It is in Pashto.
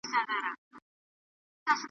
د مزهب بنیاد پرستو